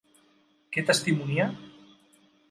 Què testimonia?